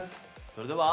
それでは。